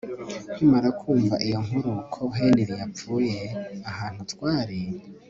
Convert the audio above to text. nkimara kumva iyo nkuru ko Henry yapfuye ahantu twari